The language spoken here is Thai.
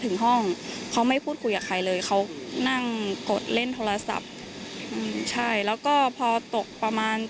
ถึงห้องเขาไม่พูดคุยกับใครเลยเขานั่งกดเล่นโทรศัพท์อืมใช่แล้วก็พอตกประมาณ